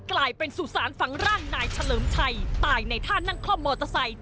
กลายเป็นสุสานฝังร่างนายเฉลิมชัยตายในท่านั่งคล่อมมอเตอร์ไซค์